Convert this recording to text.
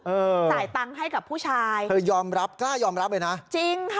จ่ายตังค์ให้กับผู้ชายเธอยอมรับกล้ายอมรับเลยนะจริงค่ะ